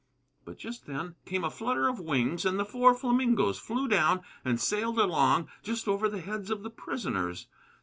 But just then came a flutter of wings, and the four flamingoes flew down and sailed along just over the heads of the prisoners.